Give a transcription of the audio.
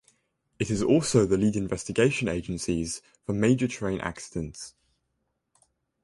It is also the lead investigation agencies for major train accidents.